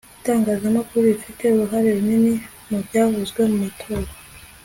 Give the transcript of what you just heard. itangazamakuru rifite uruhare runini mubyavuye mu matora